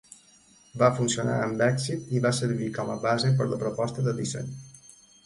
Va funcionar amb èxit i va servir com a base per la proposta de disseny.